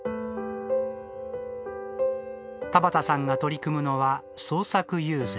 田畑さんが取り組むのは創作友禅。